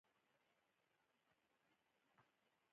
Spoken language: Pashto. په داخلي جنګونو کې یې هیڅ مداخله ونه کړه.